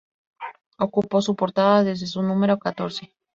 Ocupó su portada desde su número catorce.